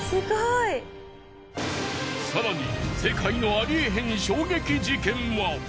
更に世界のありえへん衝撃事件は。